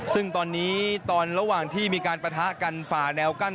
ซึ่งตอนนี้ตอนระหว่างที่มีการปะทะกันฝ่าแนวกั้น